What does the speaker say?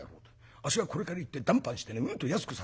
あっしがこれから行って談判してねうんと安くさせますんでね。